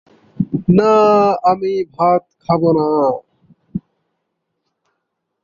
বাংলাদেশের সকল কামিল ও ফাজিল মাদ্রাসা ইসলামি আরবি বিশ্ববিদ্যালয়ের অধিভুক্ত।